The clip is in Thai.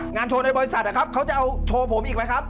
โชว์ในบริษัทนะครับเขาจะเอาโชว์ผมอีกไหมครับ